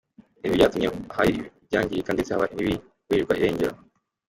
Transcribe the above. Ibi byatumye hari ibyangirika ndetse haba n’ibiburirwa irengero.